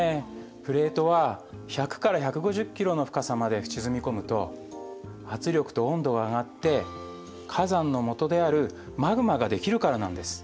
プレートは１００から１５０ｋｍの深さまで沈み込むと圧力と温度が上がって火山のもとであるマグマができるからなんです。